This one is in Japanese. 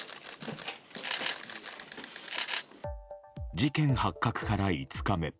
事件発覚から５日目。